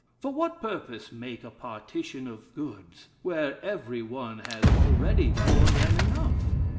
For what purpose make a partition of goods, where every one has already more than enough?